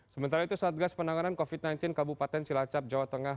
sementara itu satgas penanganan covid sembilan belas kabupaten cilacap jawa tengah